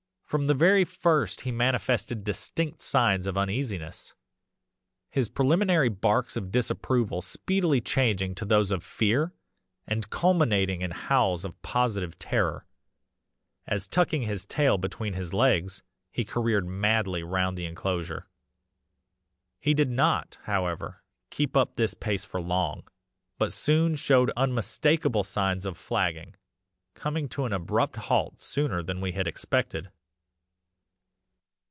From the very first he manifested distinct signs of uneasiness, his preliminary barks of disapproval speedily changing to those of fear and culminating in howls of positive terror, as tucking his tail between his legs, he careered madly round the enclosure. "He did not, however, keep up this pace for long, but soon showed unmistakable signs of flagging, coming to an abrupt halt sooner than we had expected.